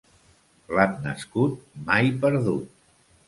Blat nascut, mai perdut.